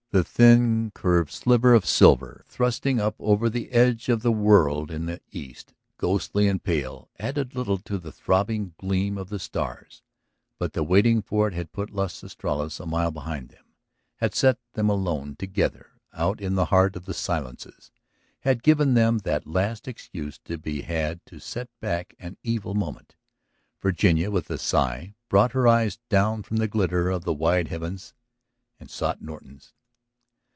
The thin curved sliver of silver thrusting up over the edge of the world in the east, ghostly and pale, added little to the throbbing gleam of the stars; but the waiting for it had put Las Estrellas a mile behind them, had set them alone together out in the heart of the silences, had given them that last excuse to be had to set back an evil moment. Virginia, with a sigh, brought her eyes down from the glitter of the wide heavens and sought Norton's.